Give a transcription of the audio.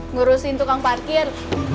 ngurusin tukang parkir